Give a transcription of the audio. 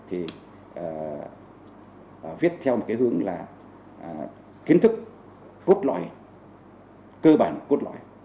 thì viết theo cái hướng là kiến thức cốt loại cơ bản cốt loại